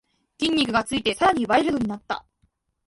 筋肉がついてさらにワイルドになった